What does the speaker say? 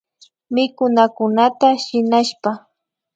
Mikunakunata shinashpa